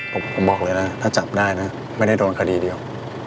ผมบอกเลยนะถ้าจับได้นะไม่ได้โดนคดีเดียว